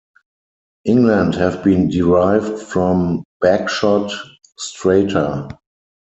England have been derived from Bagshot strata.